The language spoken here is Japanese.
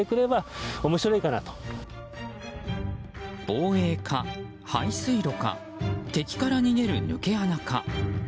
防衛か、排水路か敵から逃げる抜け穴か。